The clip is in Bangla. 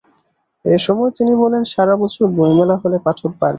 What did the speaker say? এ সময় তিনি বলেন, সারা বছর বইমেলা হলে পাঠক বাড়বে।